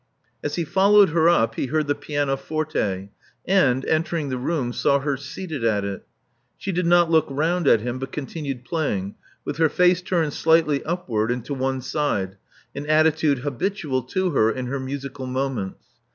As he followed her up, he heard the pianoforte, and, entering the room, saw her seated at it. She did not look round at him, but continued playing, with her face turned slightly upward and to one side — an attitude habitual to her in her musical moments.